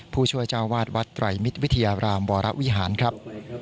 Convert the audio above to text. ผู้ช่วยเจ้าวาดวัดไตรมิตรวิทยารามวรวิหารครับ